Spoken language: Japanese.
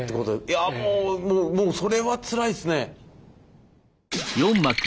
いやもうそれはつらいですね。